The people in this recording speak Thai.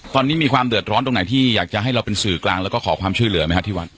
ตอนนี้มีความเดือดร้อนตรงไหนที่อยากจะให้เราเป็นสื่อกลางแล้วก็ขอความช่วยเหลือไหมครับที่วัด